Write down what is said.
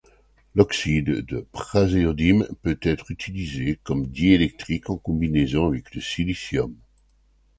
L'oxyde de praséodyme peut être utilisé comme diélectrique en combinaison avec le silicium.